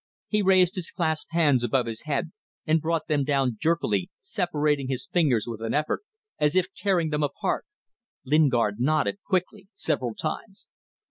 He raised his clasped hands above his head and brought them down jerkily, separating his fingers with an effort, as if tearing them apart. Lingard nodded, quickly, several times.